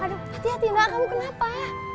aduh hati hati nak kamu kenapa